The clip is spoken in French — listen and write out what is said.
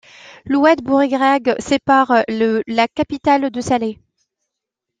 L'oued Bouregreg sépare la capitale de Salé.